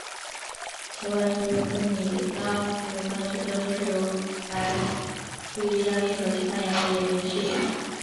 此外所有跟米拉兹有关的角色都是由来自义大利与西班牙的演员饰演。